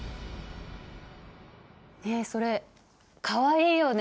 ねえそれかわいいよね。